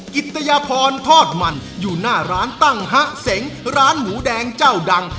กิตยพรทอดมันอยู่หน้าร้านตั้งฮะเสงร้านหมูแดงเจ้าดัง